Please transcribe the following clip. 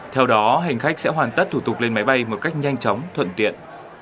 theo đó hành khách sẽ hoàn tất thủ tục lên máy bay một cách nhanh chóng thuận tiện